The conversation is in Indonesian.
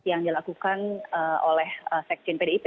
yang dilakukan oleh sekjen pdip